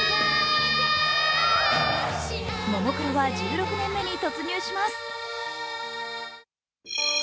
ももクロは１６年目に突入します。